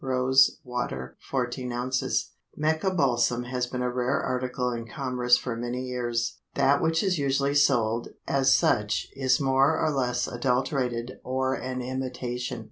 Rose water 14 oz. Mecca balsam has been a rare article in commerce for many years. That which is usually sold as such is more or less adulterated or an imitation.